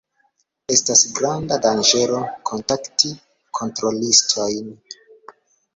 Estas granda danĝero kontakti kontrolistojn.